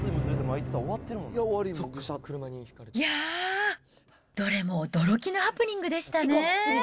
いやー、どれも驚きのハプニングでしたね。